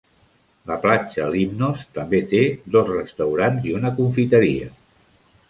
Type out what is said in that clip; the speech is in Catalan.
La platja Limnos també té dos restaurants i una confiteria.